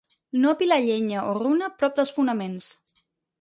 No apilar llenya o runa prop dels fonaments.